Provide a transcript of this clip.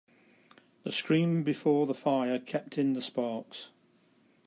The screen before the fire kept in the sparks.